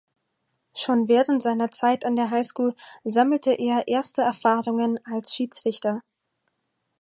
Schon während seiner Zeit an der Highschool sammelte er erste Erfahrungen als Schiedsrichter.